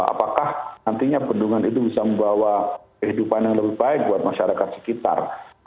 apakah nantinya bendungan itu bisa membawa kehidupan yang lebih baik buat masyarakat sekitar